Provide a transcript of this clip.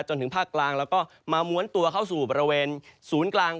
จนถึงภาคกลางแล้วก็มาม้วนตัวเข้าสู่บริเวณศูนย์กลาง